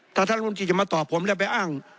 ถ้าท่านรัฐมนตรีจะมาตอบผมแล้วไปอ้าง